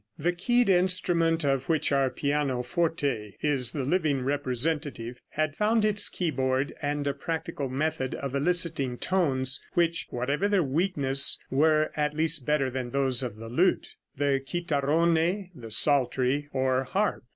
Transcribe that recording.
The keyed instrument, of which our pianoforte is the living representative, had found its keyboard and a practical method of eliciting tones, which, whatever their weakness, were at least better than those of the lute, the chitarrone, the psaltery or harp.